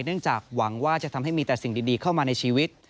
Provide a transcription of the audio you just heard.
เนื่องจากหวังว่าจะทำให้มีแต่สิ่งดีเข้ามาในชีวิต